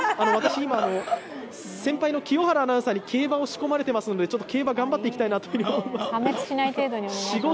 私、今、先輩の清原アナウンサーに競馬を仕込まれていますのでちょっと競馬、頑張っていきたいと思います。